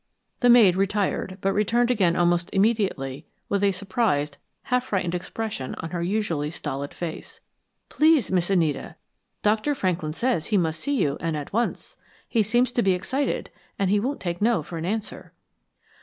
The maid retired, but returned again almost immediately with a surprised, half frightened expression on her usually stolid face. "Please, Miss Anita, Dr. Franklin says he must see you and at once. He seems to be excited and he won't take no for an answer."